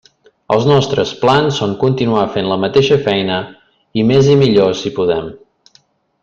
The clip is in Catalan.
Els nostres plans són continuar fent la mateixa feina, i més i millor, si podem.